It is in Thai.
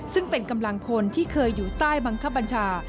ซึ่งเป็นกำลังพลที่เคยอยู่ใต้บังคับบัญชา